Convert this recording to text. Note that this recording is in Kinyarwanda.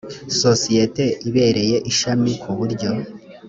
sosiyete ibereye ishami ku buryo